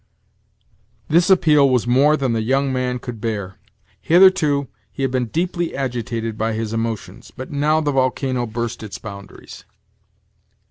This appeal was more than the young man could bear. Hitherto he had been deeply agitated by his emotions; but now the volcano burst its boundaries.